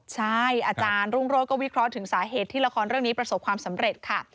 ใช่อาจารย์รุ่งโรธก็วิเคราะห์ถึงสาเหตุที่ละครเรื่องนี้ประสบความสำเร็จค่ะ